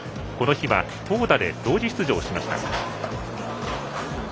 この日は投打で同時出場しました。